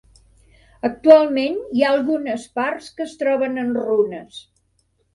Actualment hi ha algunes parts que es troben en runes.